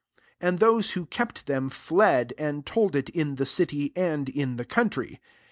14 And those who kept them fled, and told it ii| the city, and in the country.